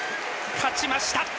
勝ちました！